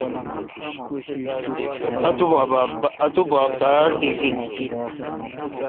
اتو باگ باڑزللی۔